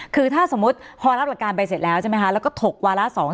คือถ้าสมมุติพอรับหลักการไปเสร็จแล้วใช่ไหมคะแล้วก็ถกวาระ๒